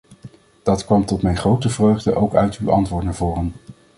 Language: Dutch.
Dat kwam tot mijn grote vreugde ook uit uw antwoord naar voren.